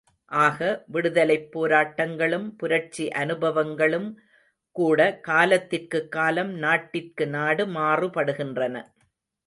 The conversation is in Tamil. ஆக, விடுதலைப் போராட்டங்களும், புரட்சி அனுபவங்களும் கூடகாலத்திற்குக் காலம், நாட்டிற்கு நாடு மாறுபடுகின்றன.